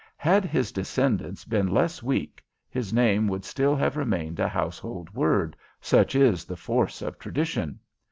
Had his descendants been less weak, his name would still have remained a household word, such is the force of tradition.